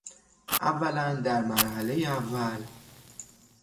اولا، در مرحلهی اول